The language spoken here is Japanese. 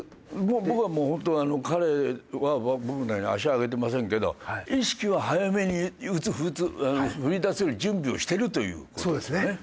僕はもうホント彼は僕のように足上げてませんけど意識は早めに打つ振りだせる準備をしてるという事ですからね。